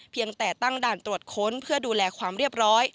เพียงแต่ตั้งด่านตรวจค้นเพื่อดูแลความเรียบร้อย